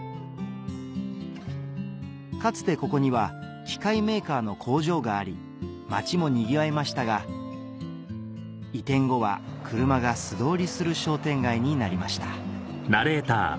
かつてここには機械メーカーの工場があり町もにぎわいましたが移転後は車が素通りする商店街になりました